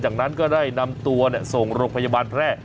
จากนั้นก็ได้นำตัวส่งโรงพยาบาลแพร่